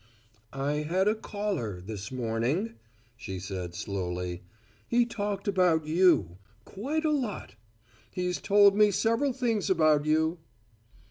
"I had a caller, this morning," she said, slowly. "He talked about you quite a lot! He's told me several things about you."